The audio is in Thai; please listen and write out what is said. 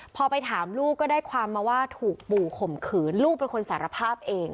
พอไปถามลูกก็ได้ความมาว่าถูกปู่ข่มขืนลูกเป็นคนสารภาพเอง